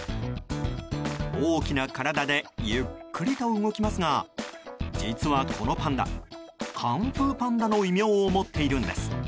大きな体でゆっくりと動きますが実はこのパンダカンフーパンダの異名を持っているんです。